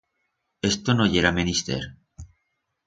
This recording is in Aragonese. Esto no yera menister.